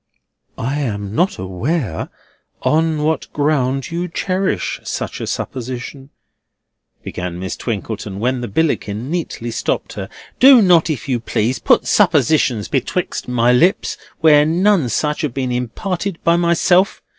"I am not aware on what ground you cherish such a supposition," began Miss Twinkleton, when the Billickin neatly stopped her. "Do not, if you please, put suppositions betwixt my lips where none such have been imparted by myself.